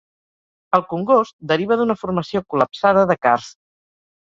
El congost deriva d'una formació col·lapsada de carst.